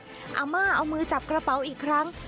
อาม่าเอามือจับกระเป๋าอีกครั้ง